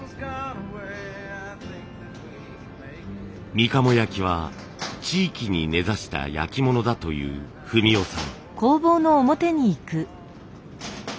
みかも焼は地域に根ざした焼き物だという文雄さん。